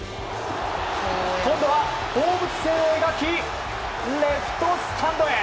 今度は、放物線を描きレフトスタンドへ！